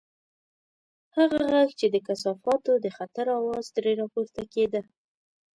هغه غږ چې د کثافاتو د خطر اواز ترې راپورته کېده.